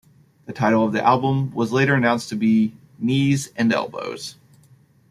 The title of the album was later announced to be "Knees and Elbows".